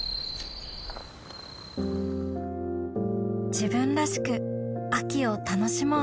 自分らしく秋を楽しもう